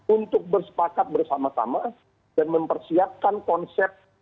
untuk bersepakat bersama sama dan mempersiapkan konsep